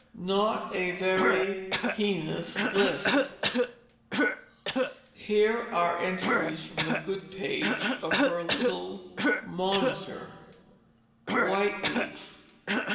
Not a very heinous list. Here are entries from the good page of her little "Monitor": WHITE LEAF.